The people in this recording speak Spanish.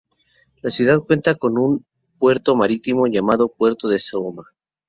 La ciudad cuenta con un puerto marítimo, llamado Puerto de Soma.